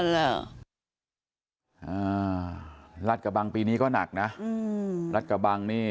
ลำบากมากครับ